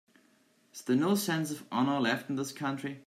Is there no sense of honor left in this country?